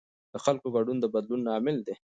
د خلکو ګډون د بدلون لامل دی